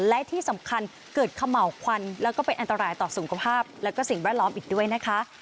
และที่สำคัญเกิดเขม่าวควันแล้วก็เป็นอันตรายต่อสุขภาพและสิ่งแวดล้อมอีกด้วยนะคะ